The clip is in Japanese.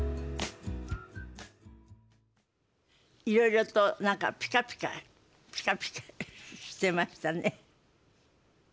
いろいろと何かピカピカピカピカしてましたね。